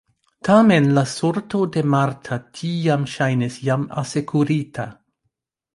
Tamen la sorto de Marta tiam ŝajnis jam asekurita.